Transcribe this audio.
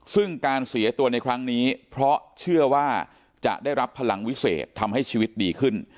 ซึ่งการเสียตัวในครั้งนี้เพราะเชื่อว่าจะได้รับพลังวิเศษทำให้ชีวิตดีขึ้น